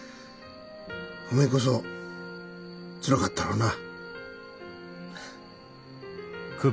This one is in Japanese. おめえこそつらかったろうな。